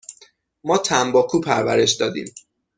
ما تنباکو پرورش دادیم.